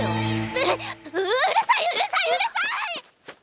ううるさいうるさいうるさい！